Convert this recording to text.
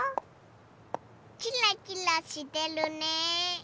キラキラしてるね。